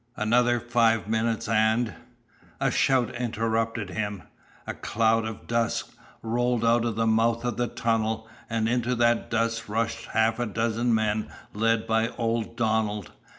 "Another five minutes and " A shout interrupted him. A cloud of dust rolled out of the mouth of the tunnel, and into that dust rushed half a dozen men led by old Donald.